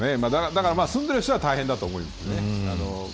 だから住んでいる人大変だと思います。